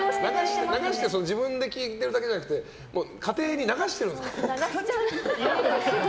自分で聴いてるだけじゃなくて家庭に流してるんだ。